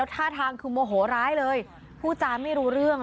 ท่าทางคือโมโหร้ายเลยพูดจาไม่รู้เรื่อง